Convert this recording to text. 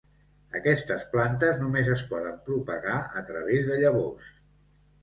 Aquestes plantes només es poden propagar a través de llavors.